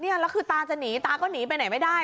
แล้วคือตาจะหนีตาก็หนีไปไหนไม่ได้